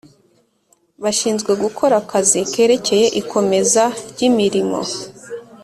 Bashinzwe gukora akazi kerekeye ikomeza ry imirimo